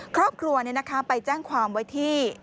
ครอบครัวไปแจ้งความไว้ที่